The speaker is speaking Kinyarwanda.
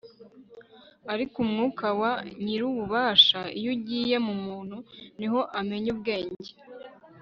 ariko umwuka wa nyir'ububasha, iyo ugiye mu muntu, ni ho amenya ubwenge